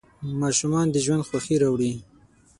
ماشومان د ژوند خوښي راوړي.